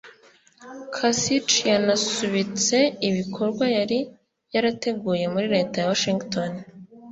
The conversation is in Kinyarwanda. Kasich yanasubitse ibikorwa yari yarateguye muri leta ya Washington